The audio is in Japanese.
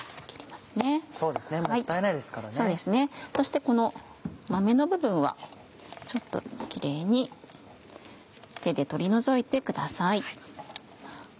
そしてこの豆の部分はちょっとキレイに手で取り除いてください。